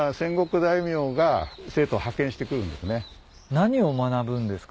何を学ぶんですか？